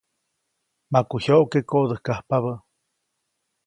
Maku jyoʼke koʼdäjkajpabä.